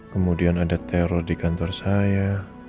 kemudian ada teror di kantor saya